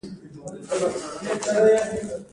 د وینې ورکول ثواب او روغتیا ده